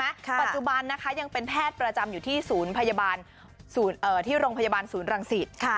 ปัจจุบันนะคะยังเป็นแพทย์ประจำอยู่ที่ศูนย์ที่โรงพยาบาลศูนย์รังสิต